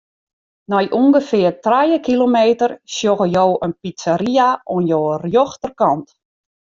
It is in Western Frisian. Nei ûngefear trije kilometer sjogge jo in pizzeria oan jo rjochterkant.